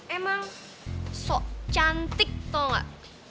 emang sok cantik tau gak